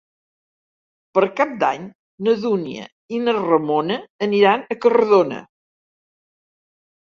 Per Cap d'Any na Dúnia i na Ramona aniran a Cardona.